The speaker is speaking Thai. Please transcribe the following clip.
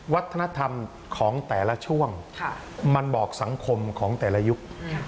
วัฒนธรรมของแต่ละช่วงมันบอกสังคมของแต่ละยุค